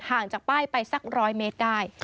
จากป้ายไปสัก๑๐๐เมตรได้